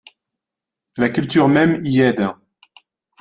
La culture même y aide.